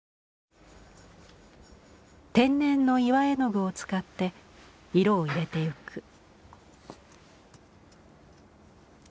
天然の岩絵具を使って色を入れていく。